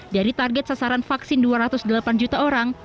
dari target sasaran vaksin dua ratus delapan juta orang